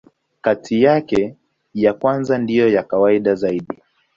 Kati yake, ya kwanza ndiyo ya kawaida zaidi.